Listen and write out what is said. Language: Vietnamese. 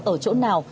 ở chỗ này